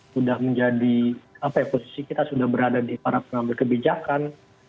sudah menjadi apa ya posisi kita sudah berada di para pengambil kebijakan